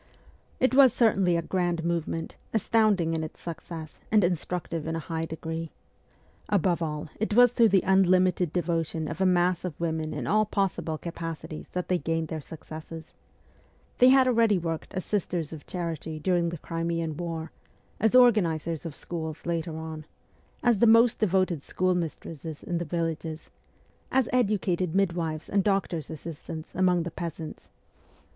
It was certainly a grand movement, astounding in its success and instructive in a high degree. Above all it was through the unlimited devotion of a mass of women in all possible capacities that they gained their successes. They had already worked as sisters of charity during the Crimean war, as organizers of schools later on, as the most devoted schoolmistresses in the villages, as educated midwives and doctors' 44 MEMOIRS OF A REVOLUTIONIST assistants amongst the peasants.